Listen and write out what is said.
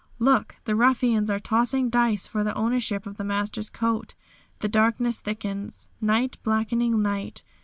Look! the ruffians are tossing dice for the ownership of the Master's coat. The darkness thickens. Night, blackening night.